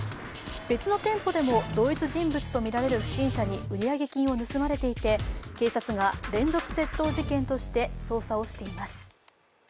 別の店舗でも同一人物とみられる不審者に売上金を盗まれていて警察が連続窃盗事件として捜査をしています。